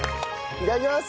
いただきます。